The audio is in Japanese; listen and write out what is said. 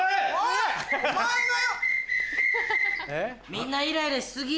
みんなイライラし過ぎ！